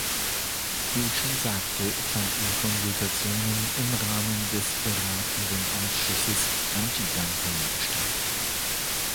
Wie ich schon sagte, fanden Konsultationen im Rahmen des Beratenden Ausschusses "Antidumping" statt.